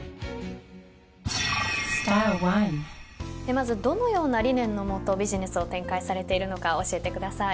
まずどのような理念の下ビジネスを展開されているのか教えてください。